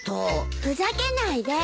ふざけないで。